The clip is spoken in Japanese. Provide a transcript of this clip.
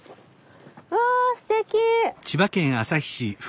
わすてき！